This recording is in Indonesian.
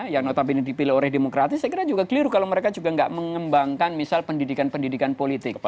yang notabene dipilih oleh demokratis saya kira juga keliru kalau mereka juga nggak mengembangkan misal pendidikan pendidikan politik